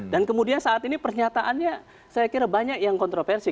dan kemudian saat ini pernyataannya saya kira banyak yang kontroversi